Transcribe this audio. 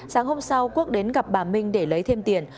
sáng hôm sau quốc đến gặp bà minh để lấy thêm tiền